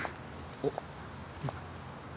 おっ。